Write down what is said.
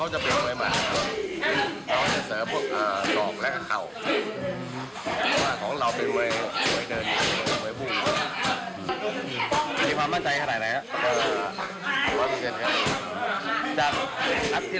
จากนับที่แล้วเสมอมาเนี่ยตอนนั้นเราคิดว่าจะเอาไปนั่งไหม